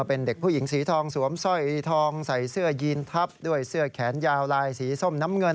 เป็นเด็กผู้หญิงสีทองสวมสร้อยทองใส่เสื้อยีนทับด้วยเสื้อแขนยาวลายสีส้มน้ำเงิน